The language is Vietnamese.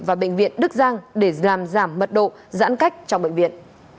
và bệnh viện đức giang để giảm giảm mật độ giãn cách trong bệnh viện